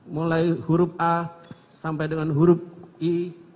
mulai huruf a sampai dengan huruf i